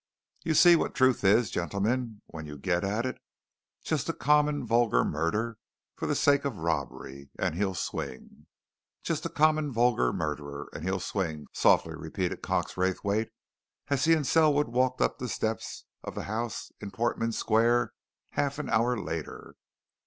You see what truth is, gentlemen, when you get at it just a common, vulgar murder, for the sake of robbery. And he'll swing!" "'Just a common, vulgar murder, and he'll swing!'" softly repeated Cox Raythwaite, as he and Selwood walked up the steps of the house in Portman Square half an hour later.